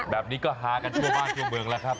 แบบนี้ก็ฮากันทั่วบ้านทั่วเมืองแล้วครับ